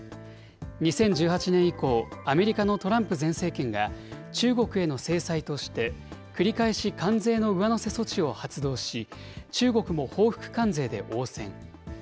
２０１８年以降、アメリカのトランプ前政権が、中国への制裁として、繰り返し関税の上乗せ措置を発動し、中国も報復関税で応戦。